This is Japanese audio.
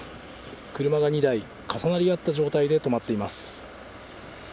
車が２台、重なり合った状態で止まっています。